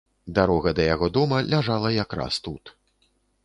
Дарога да яго дома ляжала якраз тут.